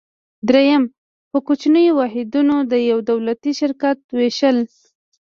دریم: په کوچنیو واحدونو د یو دولتي شرکت ویشل.